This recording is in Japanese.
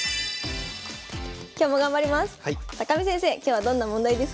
今日も頑張ります！